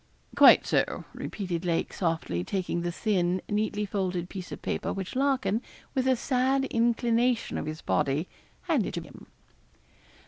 'Quite so,' repeated Lake, softly, taking the thin, neatly folded piece of paper which Larkin, with a sad inclination of his body, handed to him.